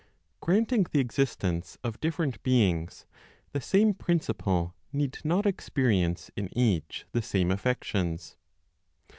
Granting the existence of different beings, the same principle need not experience in each the same affections.